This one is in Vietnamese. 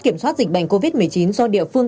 kiểm soát dịch bệnh covid một mươi chín do địa phương